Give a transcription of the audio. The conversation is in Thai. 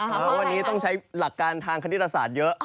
วันนี้ต้องใช้หลักการทางคณิตศาสตร์เยอะ